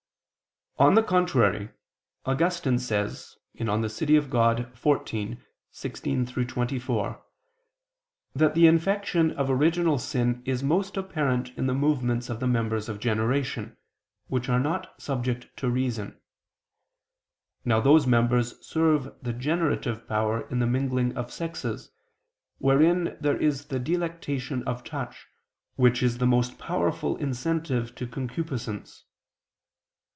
On the contrary, Augustine says (De Civ. Dei xiv, 16, seqq., 24) that the infection of original sin is most apparent in the movements of the members of generation, which are not subject to reason. Now those members serve the generative power in the mingling of sexes, wherein there is the delectation of touch, which is the most powerful incentive to concupiscence.